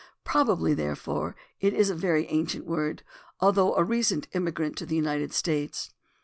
Probably, therefore, it is a very ancient word, although a recent immigrant to the United States.